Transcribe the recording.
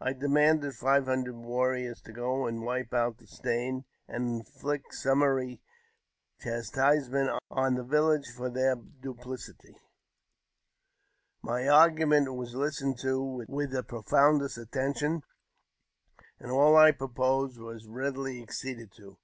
I demanded five hundred warriors to ) and wipe out the stain, and inflict summary chastisement 1 the village for their duplicity. 198 AUTOBIOGBAPHY OF ■ le , I My argument was listened to with the prof oundest attention, and all I proposed was readily acceded to.